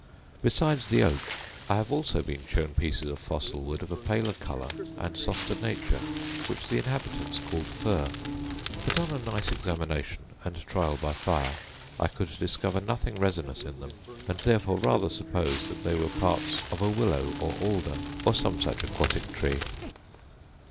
Besides the oak, I have also been shown pieces of fossil wood of a paler colour, and softer nature, which the inhabitants called fir: but, upon a nice examination, and trial by fire, I could discover nothing resinous in them; and therefore rather suppose that they were parts of a willow or alder, or some such aquatic tree.